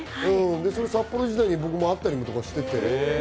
札幌時代に僕も会ったりもしてて。